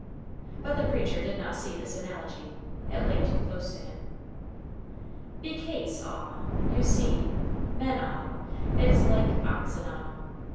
But the preacher did not see this analogy. It lay too close to him], "bekase ah, you see, men ah is mighty like oxen ah.